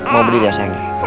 mau berdiri aja aja